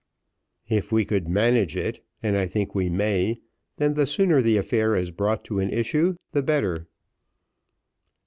"If we could manage it and I think we may then the sooner the affair is brought to an issue the better."